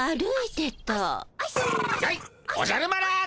やいおじゃる丸！